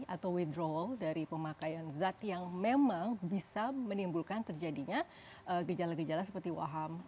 atau wedrawall dari pemakaian zat yang memang bisa menimbulkan terjadinya gejala gejala seperti waham